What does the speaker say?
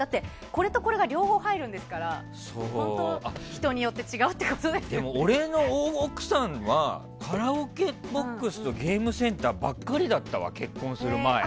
これとこれが両方入るんですから俺の奥さんはカラオケボックスとゲームセンターばっかりだったわ。